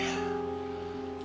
padahal ada hal penting